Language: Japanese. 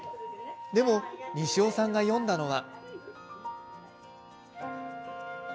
でも西尾さんが詠んだのは。